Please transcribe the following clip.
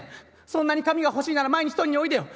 そんなに髪が欲しいなら毎日取りにおいでよ。